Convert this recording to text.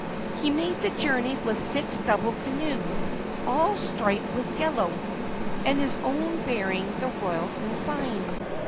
He made the journey with six double canoes, all striped with yellow, and his own bearing the royal ensign.